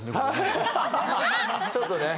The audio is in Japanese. ちょっとね。